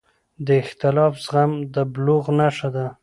د اختلاف زغم د بلوغ نښه ده